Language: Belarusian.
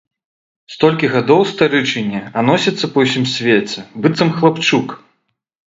Столькі гадоў старычыне, а носіцца па ўсім свеце, быццам хлапчук!